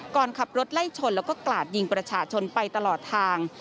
ก่อนขับรถไล่ชนแล้วก็กลาดยิงประชาชนไปตลอดทาง